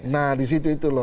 nah di situ itu loh